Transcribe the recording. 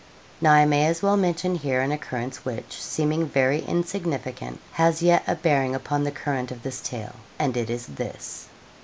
Now I may as well mention here an occurrence which, seeming very insignificant, has yet a bearing upon the current of this tale, and it is this.